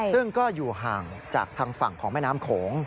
ซึ่งก็อยู่ห่างจากทางฝั่งของแม่น้ำโขง